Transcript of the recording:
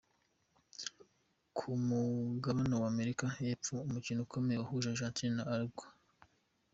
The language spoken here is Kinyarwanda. Ku mugabana wa Amerika y’epfo umukino ukomeye wahuje Argentine na Urguay.